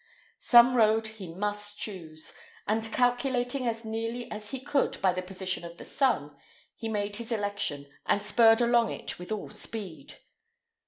Some road he must choose, and, calculating as nearly as he could by the position of the sun, he made his election, and spurred along it with all speed.